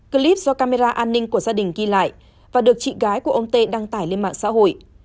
clip do camera an ninh của gia đình ghi lại và được chị gái của ông tê đăng tải lên mạng xã hội